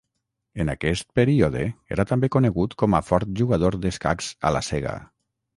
En aquest període era també conegut com a fort jugador d'escacs a la cega.